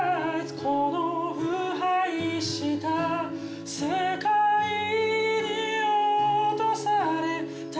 「この腐敗した世界に堕とされた」